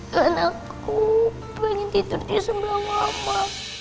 dan aku pengen tidur di sebelah mama